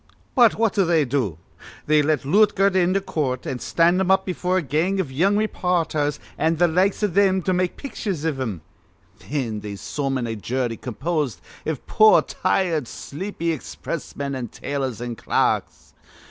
"But what do they do? They get Lootgert into coort an' stand him up befure a gang iv young rayporthers an' th' likes iv thim to make pitchers iv him. Thin they summon a jury composed iv poor, tired, sleepy expressmen an' tailors an' clerks.